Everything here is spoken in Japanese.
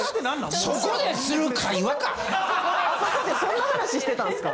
あそこでそんな話してたんすか。